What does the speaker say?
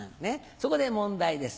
そこで問題です。